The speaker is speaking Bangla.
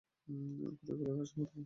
কোথায় ফেলে আসো তাকে।